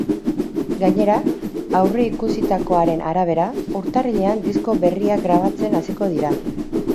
Gainera, aurreikusitakoaren arabera, urtarrilean disko berria grabatzen hasiko dira.